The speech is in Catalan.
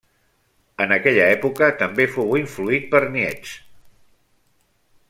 En aquella època també fou influït per Nietzsche.